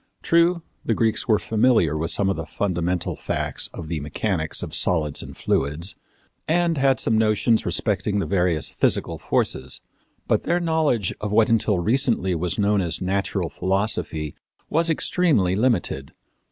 True, the Greeks were familiar with some of the fundamental facts of the mechanics of solids and fluids, and had some notions respecting the various physical forces; but their knowledge of what until recently was known as natural philosophy was extremely limited.